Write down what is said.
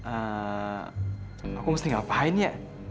eh aku mesti ngapain ya